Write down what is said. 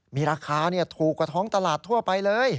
มีราคาถูกกว่าท้องตลาดทั่วไปเลย